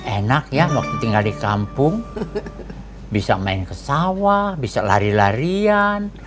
enak ya ya waktu tinggal ke kampung bisa main kesawa bisa lari larian